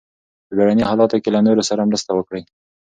په بیړني حالاتو کې له نورو سره مرسته وکړئ.